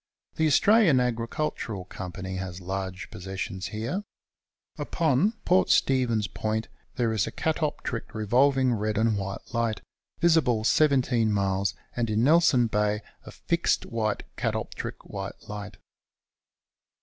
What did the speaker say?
The Australian Agricultural Company has large possessions here. Upon Port Stephens Point there is a catoptric revolving red and white light, visible 17 miles, and in Nelson Bay a fixed white catoptric white light.